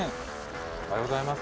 おはようございます。